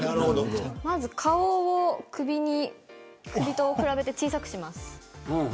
まず顔を首と比べて小さくします。